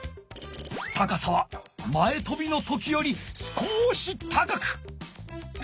高さは前とびの時より少し高く。